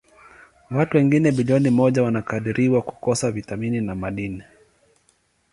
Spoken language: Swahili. Watu wengine bilioni moja wanakadiriwa kukosa vitamini na madini.